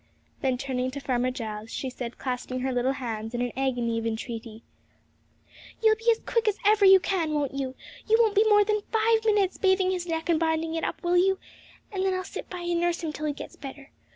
Then turning to Farmer Giles, she said, clasping her little hands in agony of entreaty, 'You'll be as quick as ever you can, won't you? You won't be more than five minutes bathing his neck and binding it up, will you? and then I'll sit by and nurse him till he gets better.